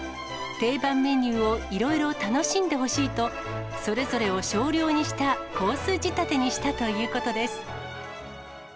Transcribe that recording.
定番メニューをいろいろ楽しんでほしいと、それぞれを少量にしたコース仕立てにしたということです。